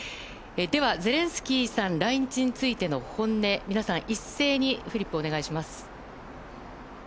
ゼレンスキーさん来日についての本音を皆さん一斉にフリップをお願いします。